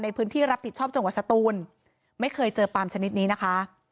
รับผิดชอบจังหวัดสตูนไม่เคยเจอปลามชนิดนี้นะคะ